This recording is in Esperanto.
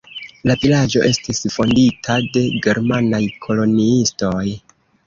La vilaĝo estis fondita de germanaj koloniistoj.